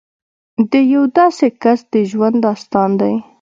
د یو داسې کس د ژوند داستان دی